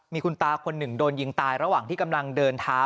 มีคุณตาคนหนึ่งโดนยิงตายระหว่างที่กำลังเดินเท้า